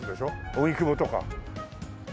荻窪とか。